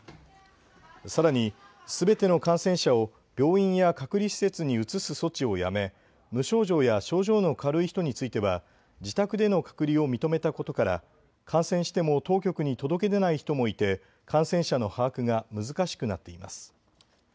さらにすべての感染者を病院や隔離施設に移す措置をやめ無症状や症状の軽い人については自宅での隔離を認めたことから感染しても当局に届け出ない人もいて感染者の把握が難しくなっています。